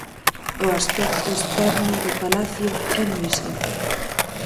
O aspecto externo do palacio é moi simple.